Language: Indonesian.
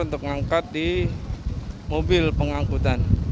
untuk mengangkat di mobil pengangkutan